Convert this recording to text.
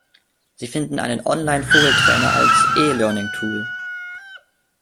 Sie finden einen Online-Vogeltrainer als E-Learning-Tool.